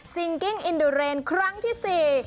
ซิงกิ้งอินเดอร์เรนด์ครั้งที่สี่